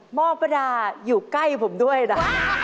หมอประดาอยู่ใกล้ผมด้วยนะ